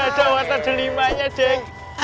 gak ada warna delimanya dik